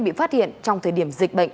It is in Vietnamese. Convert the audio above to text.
bị phát hiện trong thời điểm dịch bệnh